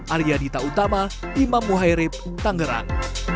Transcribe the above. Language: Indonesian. arya dita utama imam muhairib tangerang